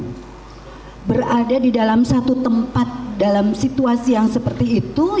karena kebohongan berada di dalam satu tempat dalam situasi yang seperti itu